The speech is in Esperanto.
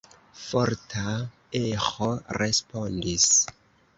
Forta eĥo respondis.